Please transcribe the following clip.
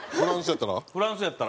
フランスやったら？